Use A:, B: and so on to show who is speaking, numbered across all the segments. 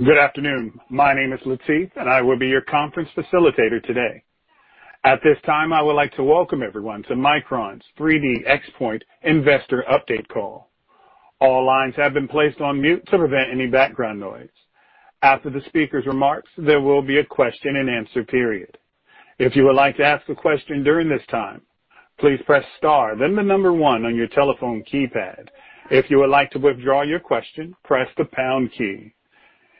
A: Good afternoon. My name is Latif, and I will be your conference facilitator today. At this time, I would like to welcome everyone to Micron's 3D XPoint Investor Update Call. All lines have been placed on mute to prevent any background noise. After the speaker's remarks, there will be a question and answer period. If you would like to ask a question during this time, please press star then the number one on your telephone keypad. If you would like to withdraw your question, press the pound key.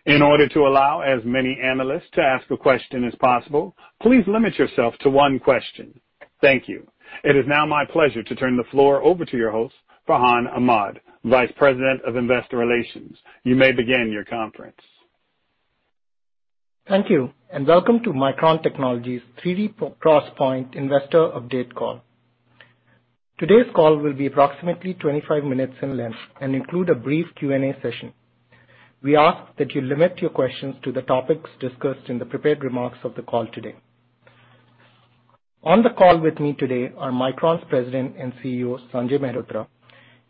A: In order to allow as many analysts to ask a question as possible, please limit yourself to one question. Thank you. It is now my pleasure to turn the floor over to your host, Farhan Ahmad, Vice President of Investor Relations. You may begin your conference.
B: Thank you, welcome to Micron Technology's 3D XPoint Investor Update Call. Today's call will be approximately 25 minutes in length and include a brief Q&A session. We ask that you limit your questions to the topics discussed in the prepared remarks of the call today. On the call with me today are Micron's President and CEO, Sanjay Mehrotra,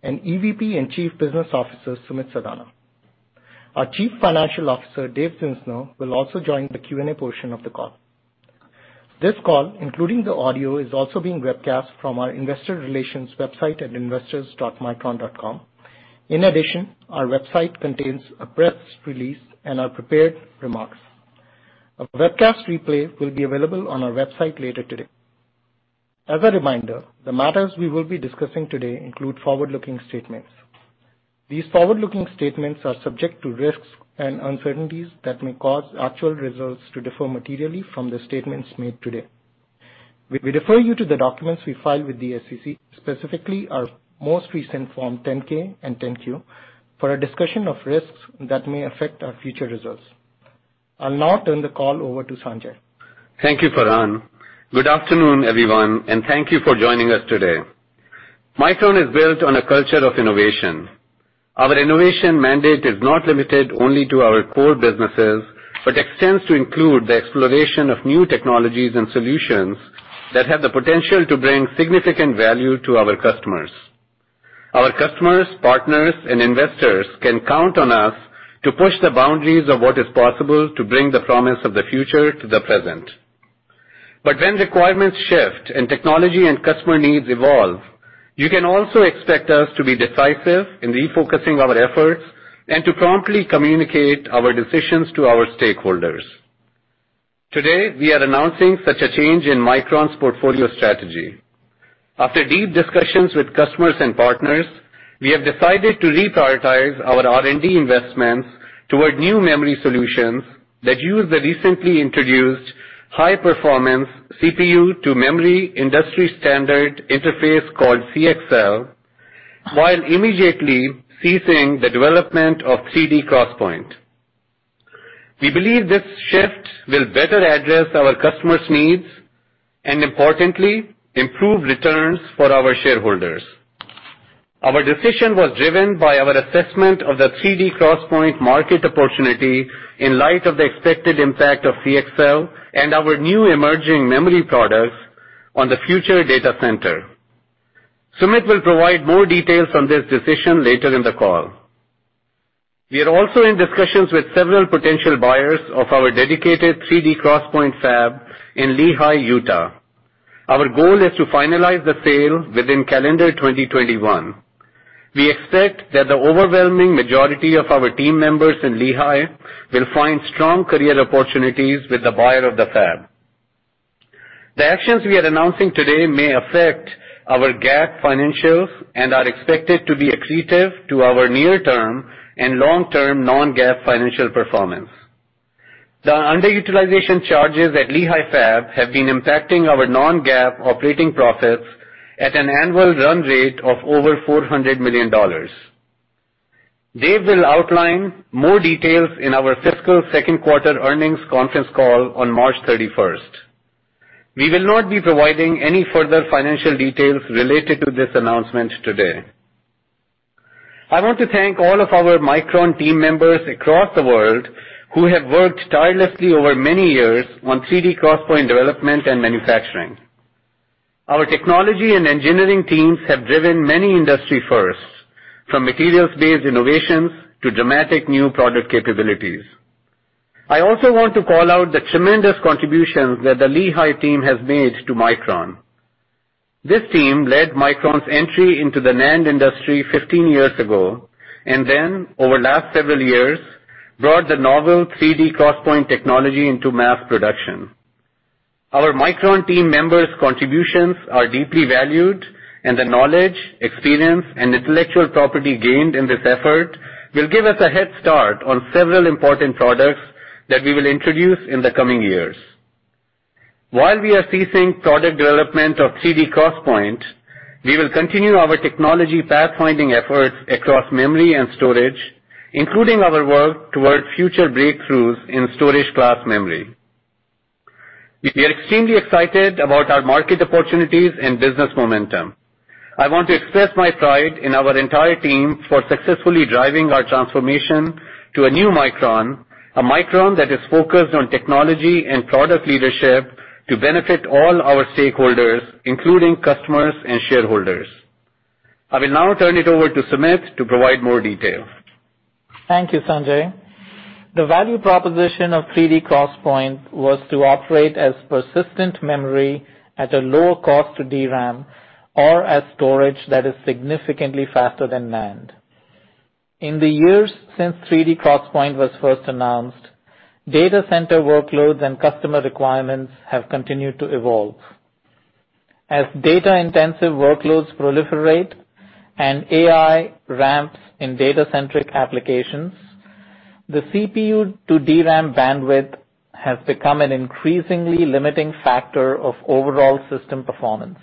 B: and EVP and Chief Business Officer, Sumit Sadana. Our Chief Financial Officer, Dave Zinsner, will also join the Q&A portion of the call. This call, including the audio, is also being webcast from our investor relations website at investors.micron.com. In addition, our website contains a press release and our prepared remarks. A webcast replay will be available on our website later today. As a reminder, the matters we will be discussing today include forward-looking statements. These forward-looking statements are subject to risks and uncertainties that may cause actual results to differ materially from the statements made today. We refer you to the documents we file with the SEC, specifically our most recent Form 10-K and 10-Q, for a discussion of risks that may affect our future results. I'll now turn the call over to Sanjay.
C: Thank you, Farhan. Good afternoon, everyone, and thank you for joining us today. Micron is built on a culture of innovation. Our innovation mandate is not limited only to our core businesses, but extends to include the exploration of new technologies and solutions that have the potential to bring significant value to our customers. Our customers, partners, and investors can count on us to push the boundaries of what is possible to bring the promise of the future to the present. When requirements shift and technology and customer needs evolve, you can also expect us to be decisive in refocusing our efforts and to promptly communicate our decisions to our stakeholders. Today, we are announcing such a change in Micron's portfolio strategy. After deep discussions with customers and partners, we have decided to reprioritize our R&D investments toward new memory solutions that use the recently introduced high-performance CPU to memory industry standard interface called CXL, while immediately ceasing the development of 3D XPoint. We believe this shift will better address our customers' needs and, importantly, improve returns for our shareholders. Our decision was driven by our assessment of the 3D XPoint market opportunity in light of the expected impact of CXL and our new emerging memory products on the future data center. Sumit will provide more details on this decision later in the call. We are also in discussions with several potential buyers of our dedicated 3D XPoint fab in Lehi, Utah. Our goal is to finalize the sale within calendar 2021. We expect that the overwhelming majority of our team members in Lehi will find strong career opportunities with the buyer of the fab. The actions we are announcing today may affect our GAAP financials and are expected to be accretive to our near-term and long-term non-GAAP financial performance. The underutilization charges at Lehi fab have been impacting our non-GAAP operating profits at an annual run rate of over $400 million. Dave will outline more details in our fiscal second quarter earnings conference call on March 31st. We will not be providing any further financial details related to this announcement today. I want to thank all of our Micron team members across the world who have worked tirelessly over many years on 3D XPoint development and manufacturing. Our technology and engineering teams have driven many industry firsts, from materials-based innovations to dramatic new product capabilities. I also want to call out the tremendous contributions that the Lehi team has made to Micron. This team led Micron's entry into the NAND industry 15 years ago and then, over the last several years, brought the novel 3D XPoint technology into mass production. Our Micron team members' contributions are deeply valued, and the knowledge, experience, and intellectual property gained in this effort will give us a head start on several important products that we will introduce in the coming years. While we are ceasing product development of 3D XPoint, we will continue our technology pathfinding efforts across memory and storage, including our work towards future breakthroughs in storage class memory. We are extremely excited about our market opportunities and business momentum. I want to express my pride in our entire team for successfully driving our transformation to a new Micron, a Micron that is focused on technology and product leadership to benefit all our stakeholders, including customers and shareholders. I will now turn it over to Sumit to provide more details.
D: Thank you, Sanjay. The value proposition of 3D XPoint was to operate as persistent memory at a lower cost to DRAM or as storage that is significantly faster than NAND. In the years since 3D XPoint was first announced, data center workloads and customer requirements have continued to evolve. As data intensive workloads proliferate and AI ramps in data centric applications, the CPU to DRAM bandwidth has become an increasingly limiting factor of overall system performance.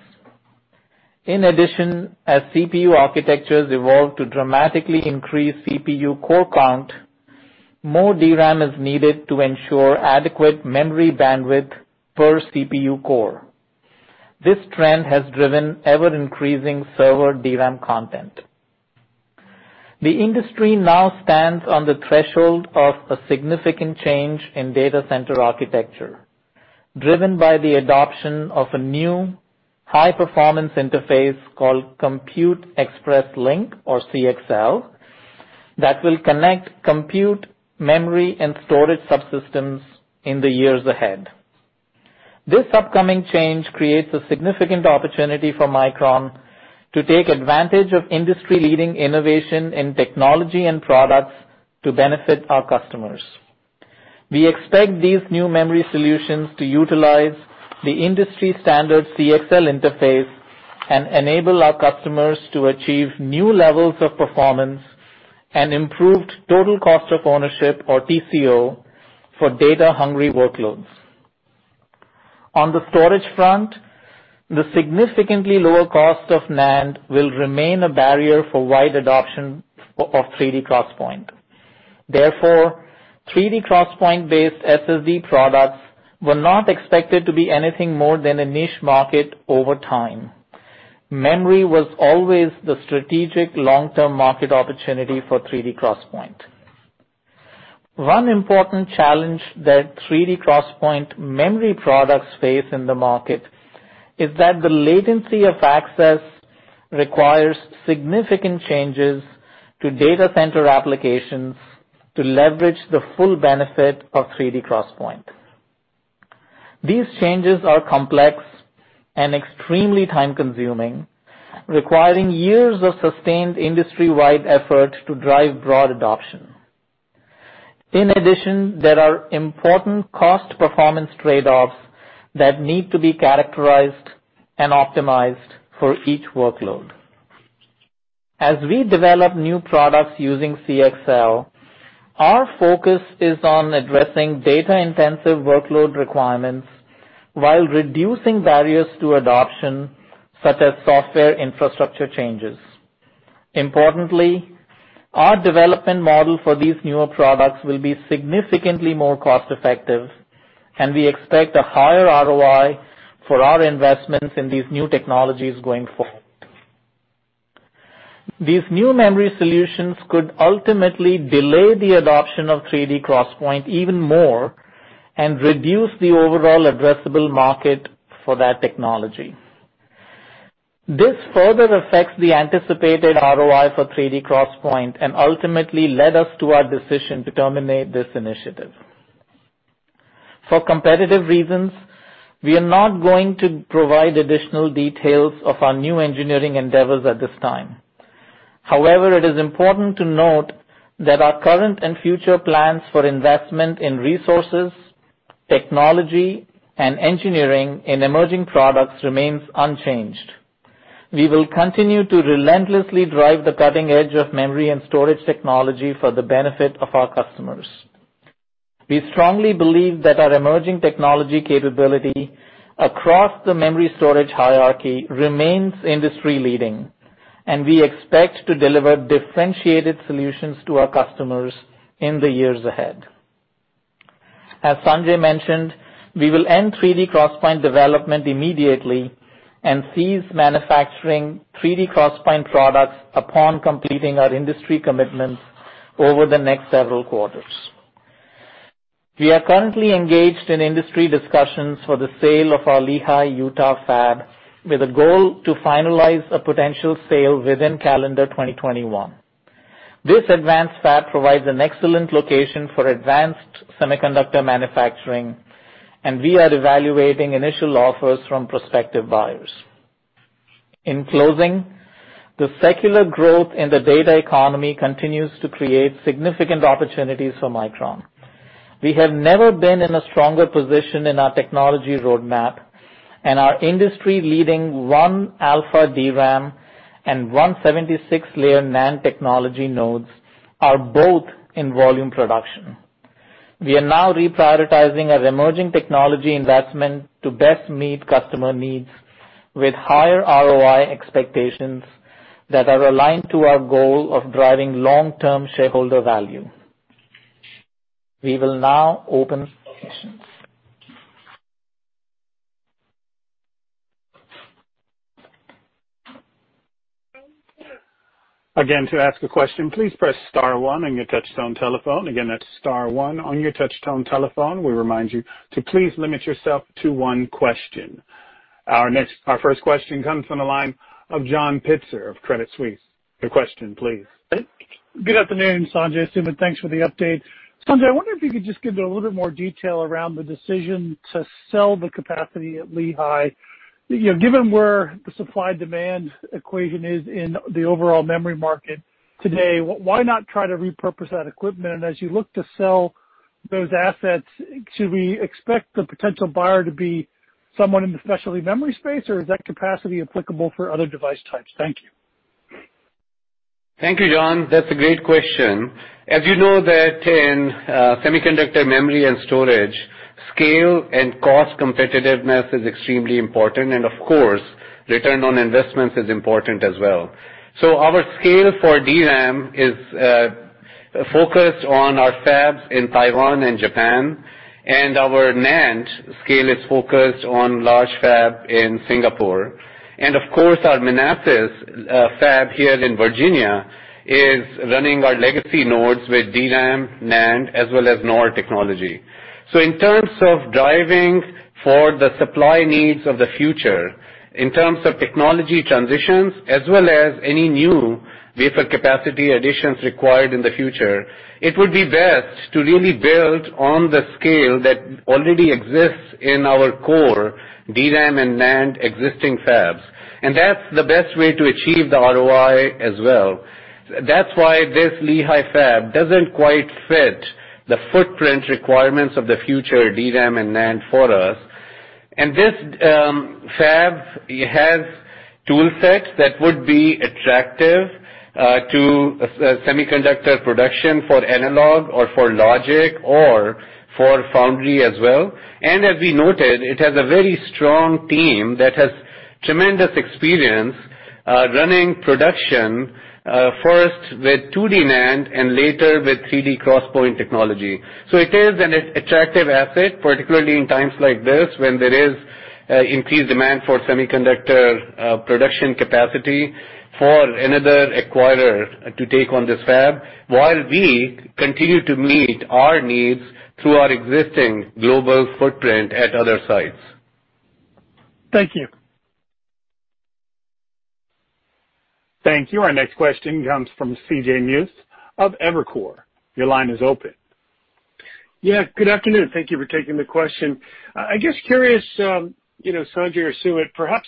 D: In addition, as CPU architectures evolve to dramatically increase CPU core count, more DRAM is needed to ensure adequate memory bandwidth per CPU core. This trend has driven ever increasing server DRAM content. The industry now stands on the threshold of a significant change in data center architecture, driven by the adoption of a new high performance interface called Compute Express Link, or CXL, that will connect compute, memory, and storage subsystems in the years ahead. This upcoming change creates a significant opportunity for Micron to take advantage of industry leading innovation in technology and products to benefit our customers. We expect these new memory solutions to utilize the industry standard CXL interface and enable our customers to achieve new levels of performance and improved total cost of ownership, or TCO, for data hungry workloads. On the storage front, the significantly lower cost of NAND will remain a barrier for wide adoption of 3D XPoint. Therefore, 3D XPoint-based SSD products were not expected to be anything more than a niche market over time. Memory was always the strategic long-term market opportunity for 3D XPoint. One important challenge that 3D XPoint memory products face in the market is that the latency of access requires significant changes to data center applications to leverage the full benefit of 3D XPoint. These changes are complex and extremely time-consuming, requiring years of sustained industry-wide effort to drive broad adoption. In addition, there are important cost performance trade-offs that need to be characterized and optimized for each workload. As we develop new products using CXL, our focus is on addressing data intensive workload requirements while reducing barriers to adoption, such as software infrastructure changes. Importantly, our development model for these newer products will be significantly more cost effective, and we expect a higher ROI for our investments in these new technologies going forward. These new memory solutions could ultimately delay the adoption of 3D XPoint even more and reduce the overall addressable market for that technology. This further affects the anticipated ROI for 3D XPoint and ultimately led us to our decision to terminate this initiative. For competitive reasons, we are not going to provide additional details of our new engineering endeavors at this time. However, it is important to note that our current and future plans for investment in resources, technology, and engineering in emerging products remains unchanged. We will continue to relentlessly drive the cutting edge of memory and storage technology for the benefit of our customers. We strongly believe that our emerging technology capability across the memory storage hierarchy remains industry leading, and we expect to deliver differentiated solutions to our customers in the years ahead. As Sanjay mentioned, we will end 3D XPoint development immediately and cease manufacturing 3D XPoint products upon completing our industry commitments over the next several quarters. We are currently engaged in industry discussions for the sale of our Lehi, Utah fab with a goal to finalize a potential sale within calendar 2021. This advanced fab provides an excellent location for advanced semiconductor manufacturing, and we are evaluating initial offers from prospective buyers. In closing, the secular growth in the data economy continues to create significant opportunities for Micron. We have never been in a stronger position in our technology roadmap and our industry leading 1α DRAM and 176-layer NAND technology nodes are both in volume production. We are now reprioritizing our emerging technology investment to best meet customer needs with higher ROI expectations that are aligned to our goal of driving long-term shareholder value. We will now open for questions.
A: Again, to ask a question, please press star one on your touchtone telephone. Again, that's star one on your touchtone telephone. We remind you to please limit yourself to one question. Our first question comes from the line of John Pitzer of Credit Suisse. Your question, please.
E: Good afternoon, Sanjay, Sumit. Thanks for the update. Sanjay, I wonder if you could just give a little bit more detail around the decision to sell the capacity at Lehi. Given where the supply-demand equation is in the overall memory market today, why not try to repurpose that equipment? As you look to sell those assets, should we expect the potential buyer to be someone in the specialty memory space, or is that capacity applicable for other device types? Thank you.
C: Thank you, John. That's a great question. As you know that in semiconductor memory and storage, scale and cost competitiveness is extremely important, and of course, return on investments is important as well. Our scale for DRAM is focused on our fabs in Taiwan and Japan, and our NAND scale is focused on large fab in Singapore. Of course, our Manassas fab here in Virginia is running our legacy nodes with DRAM, NAND, as well as NOR technology. In terms of driving for the supply needs of the future, in terms of technology transitions, as well as any new wafer capacity additions required in the future, it would be best to really build on the scale that already exists in our core DRAM and NAND existing fabs. That's the best way to achieve the ROI as well. That's why this Lehi fab doesn't quite fit the footprint requirements of the future DRAM and NAND for us. This fab has tool sets that would be attractive to semiconductor production for analog or for logic or for foundry as well. As we noted, it has a very strong team that has tremendous experience running production, first with 2D NAND and later with 3D XPoint technology. It is an attractive asset, particularly in times like this when there is increased demand for semiconductor production capacity for another acquirer to take on this fab while we continue to meet our needs through our existing global footprint at other sites.
E: Thank you.
A: Thank you. Our next question comes from C.J. Muse of Evercore. Your line is open.
F: Yeah, good afternoon. Thank you for taking the question. I'm just curious, Sanjay or Sumit, perhaps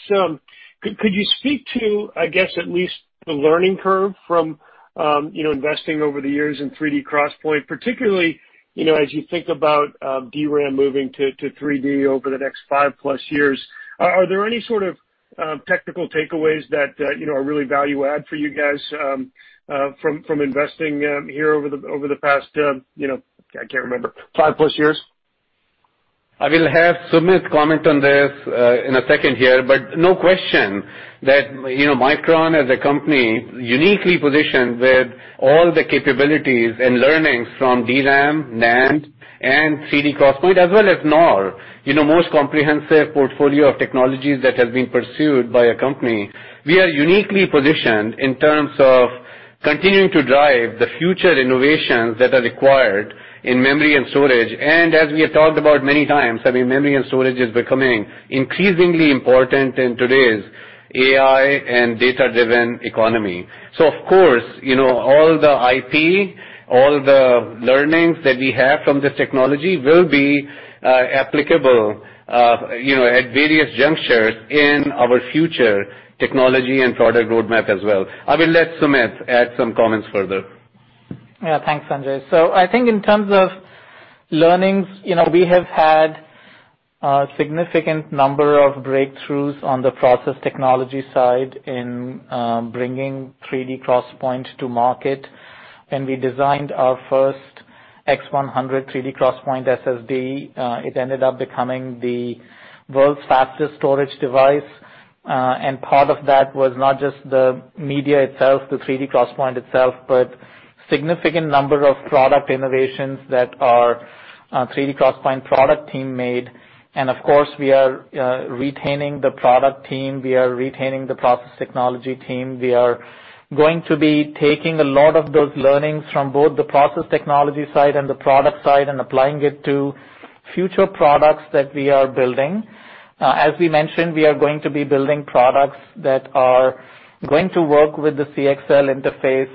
F: could you speak to, I guess, at least the learning curve from investing over the years in 3D XPoint, particularly as you think about DRAM moving to 3D over the next five-plus years. Are there any sort of technical takeaways that are really value add for you guys from investing here over the past, I can't remember, five-plus years?
C: I will have Sumit comment on this in a second here. No question that Micron as a company, uniquely positioned with all the capabilities and learnings from DRAM, NAND, and 3D XPoint, as well as NOR, most comprehensive portfolio of technologies that has been pursued by a company. We are uniquely positioned in terms of continuing to drive the future innovations that are required in memory and storage. As we have talked about many times, memory and storage is becoming increasingly important in today's AI and data-driven economy. Of course, all the IP, all the learnings that we have from this technology will be applicable at various junctures in our future technology and product roadmap as well. I will let Sumit add some comments further.
D: Yeah, thanks, Sanjay. I think in terms of learnings, we have had a significant number of breakthroughs on the process technology side in bringing 3D XPoint to market. When we designed our first X100 3D XPoint SSD, it ended up becoming the world's fastest storage device. Part of that was not just the media itself, the 3D XPoint itself, but significant number of product innovations that our 3D XPoint product team made. Of course, we are retaining the product team. We are retaining the process technology team. We are going to be taking a lot of those learnings from both the process technology side and the product side and applying it to future products that we are building. As we mentioned, we are going to be building products that are going to work with the CXL interface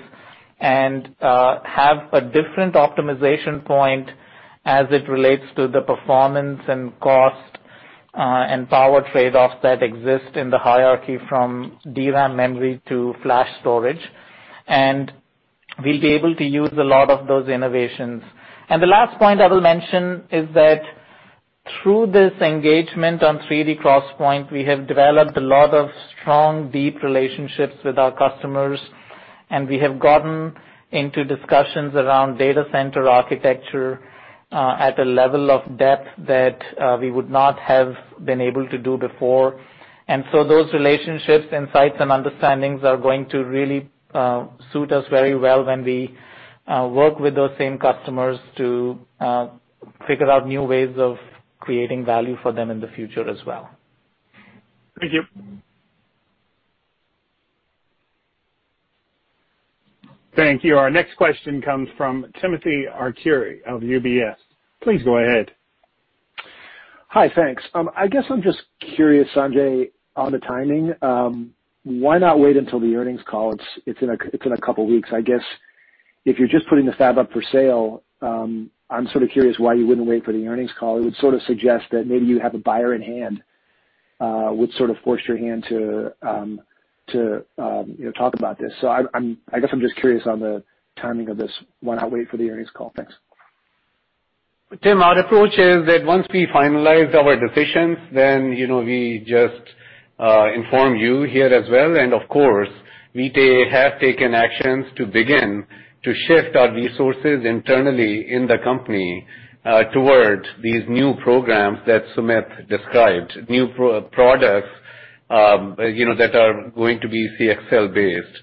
D: and have a different optimization point as it relates to the performance and cost and power trade-offs that exist in the hierarchy from DRAM memory to flash storage. We'll be able to use a lot of those innovations. The last point I will mention is that through this engagement on 3D XPoint, we have developed a lot of strong, deep relationships with our customers, and we have gotten into discussions around data center architecture at a level of depth that we would not have been able to do before. Those relationships, insights, and understandings are going to really suit us very well when we work with those same customers to figure out new ways of creating value for them in the future as well.
F: Thank you.
A: Thank you. Our next question comes from Timothy Arcuri of UBS. Please go ahead.
G: Hi, thanks. I guess I'm just curious, Sanjay, on the timing. Why not wait until the earnings call? It's in a couple of weeks. I guess if you're just putting the fab up for sale, I'm sort of curious why you wouldn't wait for the earnings call. It would sort of suggest that maybe you have a buyer in hand, would sort of force your hand to talk about this. I guess I'm just curious on the timing of this. Why not wait for the earnings call? Thanks.
C: Tim, our approach is that once we finalize our decisions, then we just inform you here as well. Of course, we have taken actions to begin to shift our resources internally in the company, towards these new programs that Sumit described, new products that are going to be CXL based.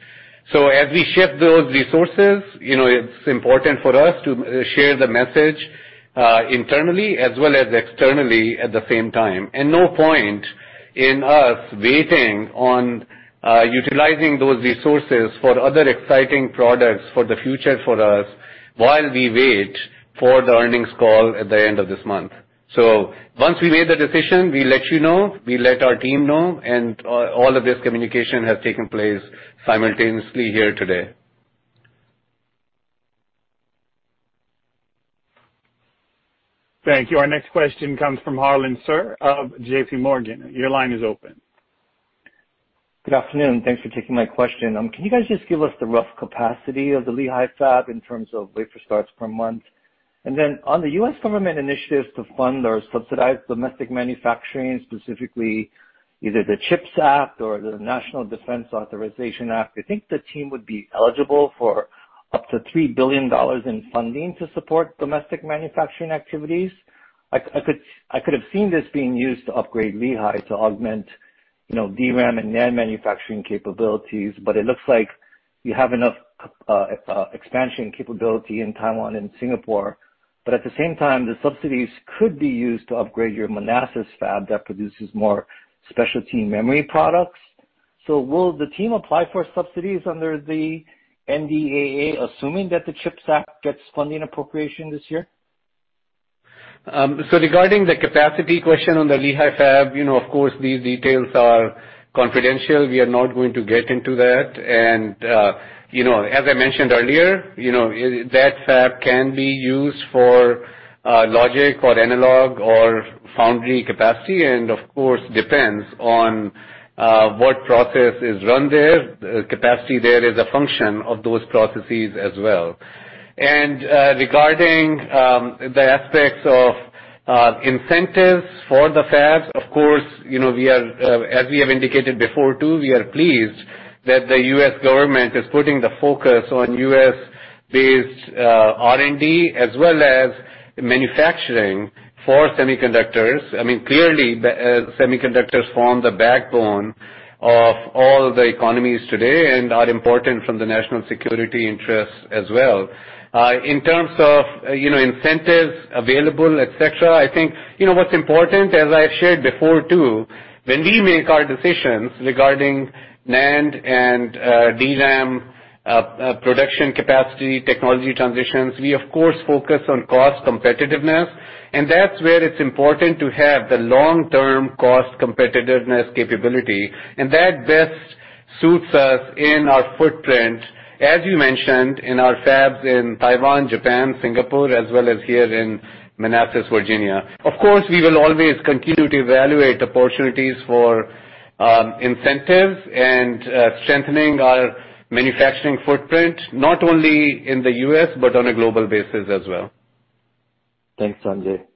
C: As we shift those resources, it's important for us to share the message, internally as well as externally at the same time. No point in us waiting on utilizing those resources for other exciting products for the future for us while we wait for the earnings call at the end of this month. Once we made the decision, we let you know, we let our team know, and all of this communication has taken place simultaneously here today.
A: Thank you. Our next question comes from Harlan Sur of JPMorgan. Your line is open.
H: Good afternoon. Thanks for taking my question. Can you guys just give us the rough capacity of the Lehi fab in terms of wafer starts per month? On the U.S. government initiatives to fund or subsidize domestic manufacturing, specifically either the CHIPS Act or the National Defense Authorization Act, I think the team would be eligible for up to $3 billion in funding to support domestic manufacturing activities. I could have seen this being used to upgrade Lehi to augment DRAM and NAND manufacturing capabilities, but it looks like you have enough expansion capability in Taiwan and Singapore. At the same time, the subsidies could be used to upgrade your Manassas fab that produces more specialty memory products. Will the team apply for subsidies under the NDAA, assuming that the CHIPS Act gets funding appropriation this year?
C: Regarding the capacity question on the Lehi fab, of course, these details are confidential. We are not going to get into that. As I mentioned earlier, that fab can be used for logic or analog or foundry capacity and, of course, depends on what process is run there. Capacity there is a function of those processes as well. Regarding the aspects of incentives for the fabs, of course, as we have indicated before too, we are pleased that the U.S. government is putting the focus on U.S.-based R&D as well as manufacturing for semiconductors. I mean, clearly, semiconductors form the backbone of all the economies today and are important from the national security interests as well. In terms of incentives available, et cetera, I think what's important, as I've shared before too, when we make our decisions regarding NAND and DRAM production capacity, technology transitions, we of course focus on cost competitiveness, and that's where it's important to have the long-term cost competitiveness capability, and that best suits us in our footprint, as you mentioned, in our fabs in Taiwan, Japan, Singapore, as well as here in Manassas, Virginia. Of course, we will always continue to evaluate opportunities for incentives and strengthening our manufacturing footprint, not only in the U.S., but on a global basis as well.
H: Thanks, Sanjay.